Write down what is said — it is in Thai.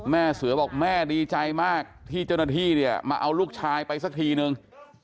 แม่เสือบอกแม่ดีใจมากที่เจ้าหน้าที่เนี่ยมาเอาลูกชายไปสักทีนึง